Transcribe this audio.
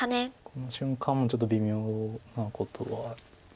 この瞬間もちょっと微妙なことはあって。